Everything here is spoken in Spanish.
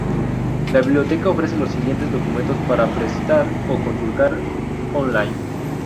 La biblioteca ofrece los siguientes documentos para prestar o consultar on line.